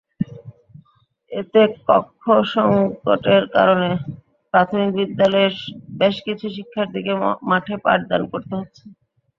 এতে কক্ষসংকটের কারণে প্রাথমিক বিদ্যালয়ের বেশকিছু শিক্ষার্থীকে মাঠে পাঠদান করতে হচ্ছে।